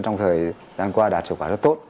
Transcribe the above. trong thời gian qua đạt hiệu quả rất tốt